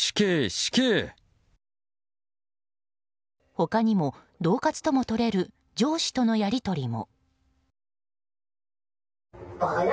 他にも恫喝ともとれる上司とのやり取りも。